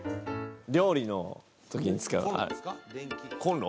料理の時に使うコンロ